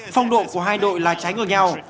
phong độ của hai đội là trái ngược nhau